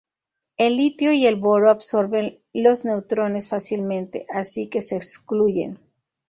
El litio y el boro absorben los neutrones fácilmente, así que se excluyen.